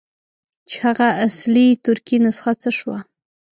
چې هغه اصلي ترکي نسخه څه شوه.